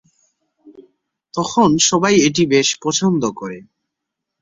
তখন সবাই এটি বেশ পছন্দ করে।